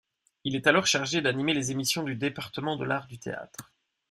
Il est alors chargé d'animer les émissions du département de l’art du théâtre.